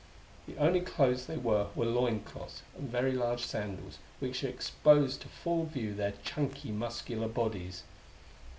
The only clothes they wore were loin cloths and very large sandals, which exposed to full view their chunky, muscular bodies.